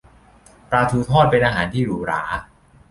ปลาทูทอดเป็นอาหารที่หรูหรา